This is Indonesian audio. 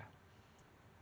biasanya satu liter